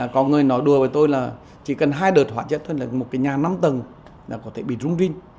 có người nói đùa với tôi là chỉ cần hai đợt hóa chất hơn là một cái nhà năm tầng là có thể bị rung rin